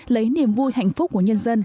lấy niềm vui hạnh phúc của nhân dân